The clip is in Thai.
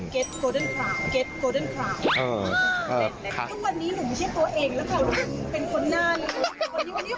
กันอยู่เหมือนพี่ป๋อย